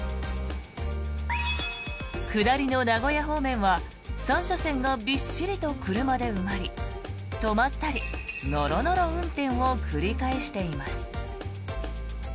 下りの名古屋方面は３車線がびっしりと車で埋まり止まったり、ノロノロ運転を繰り返しています。